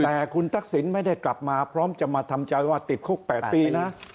แต่คุณทักษิณไม่ได้กลับมาพร้อมจะมาทำใจว่าติดคุก๘ปีนะ